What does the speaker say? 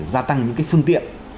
gia tăng những phương tiện